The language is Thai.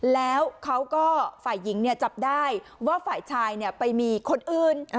แล้วเขาก็ฝ่ายหญิงจับได้ว่าฝ่ายชายไปมีคนอื่น